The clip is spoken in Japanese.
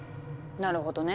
なるほどね。